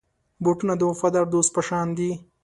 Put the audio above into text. بوټونه د وفادار دوست په شان دي.